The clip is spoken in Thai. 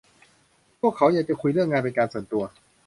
พวกเขาอยากจะคุยเรื่องงานเป็นการส่วนตัว